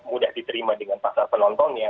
mudah diterima dengan pasal penontonnya